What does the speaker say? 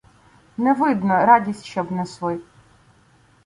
Не видно, радість щоб несли.